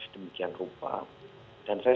sedemikian rupa dan saya